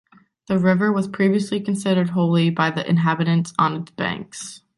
The river was previously considered holy by the inhabitants on its banks.